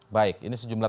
baik ini sejumlah